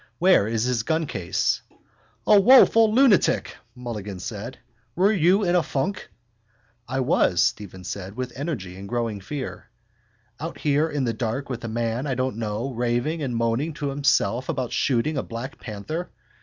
Where is his guncase? —A woful lunatic! Mulligan said. Were you in a funk? —I was, Stephen said with energy and growing fear. Out here in the dark with a man I don't know raving and moaning to himself about shooting a black panther.